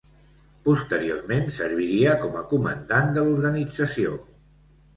Posteriorment serviria com a comandant de l'organització.